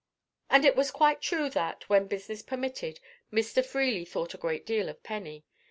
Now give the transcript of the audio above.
And it was quite true that, when business permitted, Mr. Freely thought a great deal of Penny.